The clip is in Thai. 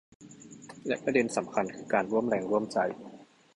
และประเด็นสำคัญคือการร่วมแรงร่วมใจ